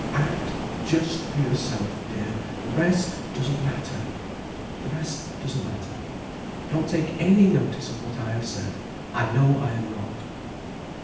Act just for yourself, dear—the rest doesn't matter. The rest doesn't matter. Don't take any notice of what I have said. I know I am wrong."